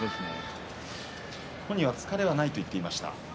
本人は疲れはないと言っていました。